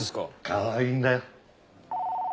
かわいいんだよ。